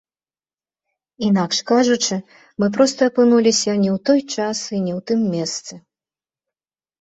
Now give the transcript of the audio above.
Інакш кажучы, мы проста апынуліся не ў той час і не ў тым месцы.